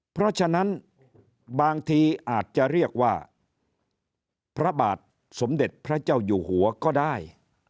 เพราะฉะนั้นบางทีอาจจะเรียกว่าพระบาทสมเด็จพระเจ้าอยู่หัวก็ได้